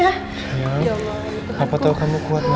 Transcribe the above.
sayang apa tau kamu kuat naya